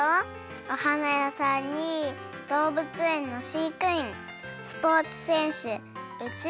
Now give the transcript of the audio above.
おはな屋さんにどうぶつえんのしいくいんスポーツせんしゅ